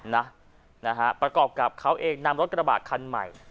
นะฮะนะฮะประกอบกับเขาเองนำรถกระบาดคันใหม่